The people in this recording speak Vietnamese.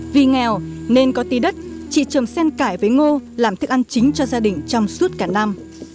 vì nghèo nên có tí đất chị trồng sen cải với ngô làm thức ăn chính cho gia đình trong suốt cả năm